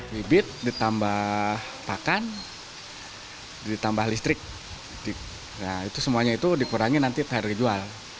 bibit ditambah pakan ditambah listrik itu semuanya itu dikurangi nanti harga jual